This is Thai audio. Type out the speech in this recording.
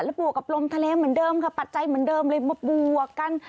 บวกกับลมทะเลเหมือนเดิมค่ะปัจจัยเหมือนเดิมเลยมาบวกกัน